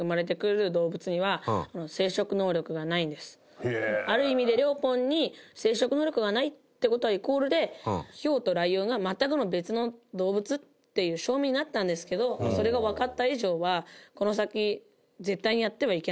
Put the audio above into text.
蓮君：ある意味で、レオポンに生殖能力がないって事はイコールで、ヒョウとライオンが全くの別の動物っていう証明になったんですけどそれがわかった以上はこの先、絶対にやってはいけないっていうのがわかりました。